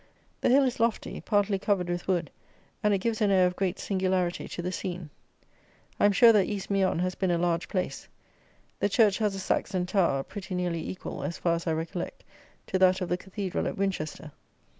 The hill is lofty, partly covered with wood, and it gives an air of great singularity to the scene. I am sure that East Meon has been a large place. The church has a Saxon Tower, pretty nearly equal, as far as I recollect, to that of the Cathedral at Winchester.